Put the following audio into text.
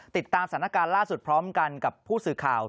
ติดตามสถานการณ์ล่าสุดพร้อมกันกับผู้สื่อข่าว